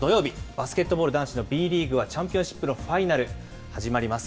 バスケットボール男子のＢリーグは、チャンピオンシップのファイナル始まります。